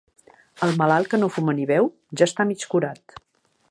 El malalt que no fuma ni beu, ja està mig curat.